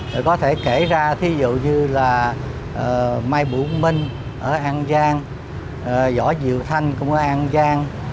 rồi có thể kể ra thí dụ như là mai bụng minh ở an giang võ diệu thanh cũng ở an giang